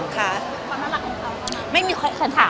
ความน่ารักของเขา